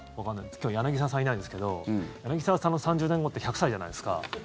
今日、柳澤さんいないですけど柳澤さんの３０年後って１００歳じゃないですか。